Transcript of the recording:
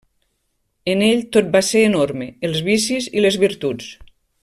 En ell tot va ser enorme, els vicis i les virtuts.